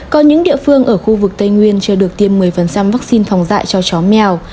có những địa phương ở khu vực tây nguyên chưa được tiêm một mươi vaccine phòng dạy cho chó mèo